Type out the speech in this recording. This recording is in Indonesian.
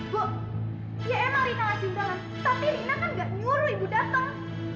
bu ya emang rina ngasih undangan tapi rina kan gak nyuruh ibu datang